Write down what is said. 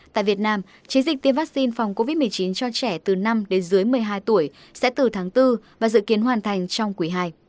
tại việt nam chiến dịch tiêm vaccine phòng covid một mươi chín cho trẻ từ năm một mươi hai tuổi sẽ từ tháng bốn và dự kiến hoàn thành trong quỷ hai